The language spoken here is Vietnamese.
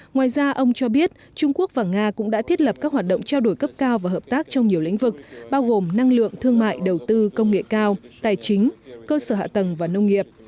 ngoài ra ông cho biết trung quốc và nga cũng đã thiết lập các hoạt động trao đổi cấp cao và hợp tác trong nhiều lĩnh vực bao gồm năng lượng thương mại đầu tư công nghệ cao tài chính cơ sở hạ tầng và nông nghiệp